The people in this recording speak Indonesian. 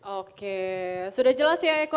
oke sudah jelas ya eko